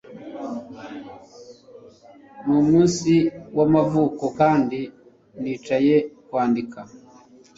Numunsi wamavuko kandi nicaye kwandika